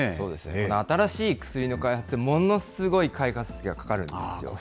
この新しい薬の開発、ものすごい開発費がかかるんですよ。